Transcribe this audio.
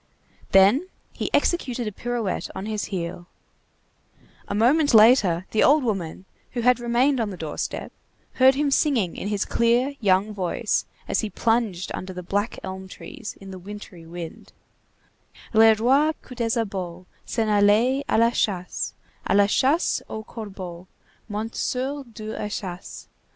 Then he executed a pirouette on his heel; a moment later, the old woman, who had remained on the door step, heard him singing in his clear, young voice, as he plunged under the black elm trees, in the wintry wind:— "Le roi Coupdesabot S'en allait à la chasse, À la chasse aux corbeaux, Monté sur deux échasses.